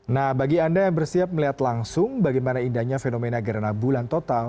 nah bagi anda yang bersiap melihat langsung bagaimana indahnya fenomena gerhana bulan total